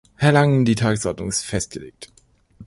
Herr Langen, die Tagesordnung ist festgelegt.